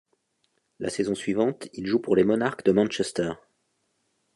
La saison suivante, il joue pour les Monarchs de Manchester.